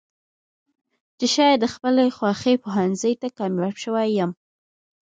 چې شايد د خپلې خوښې پوهنځۍ ته کاميابه شوې يم.